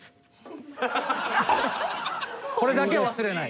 これだけは忘れない。